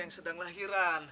yang sedang lahiran